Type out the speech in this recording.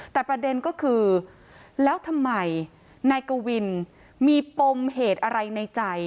แต่ประเด็นก็คือแล้วทำไมนายกวินมีปมเหตุอะไรในใจ